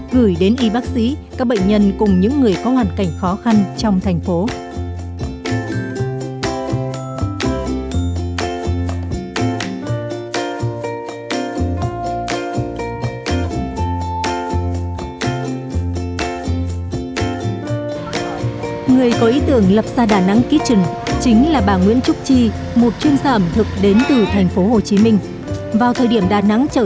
gửi đến y bác sĩ các bệnh nhân cùng những người có hoàn cảnh khó khăn trong thành phố